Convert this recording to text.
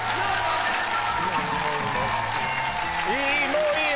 もういい！